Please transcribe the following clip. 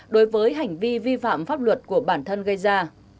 khi vi phạm pháp luật của bản thân gây ra